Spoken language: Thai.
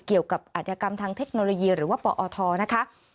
เกี่ยวกับอัธยกรรมทางเทคโนโลยีหรือว่าปอทนะคะ